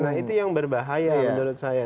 nah itu yang berbahaya menurut saya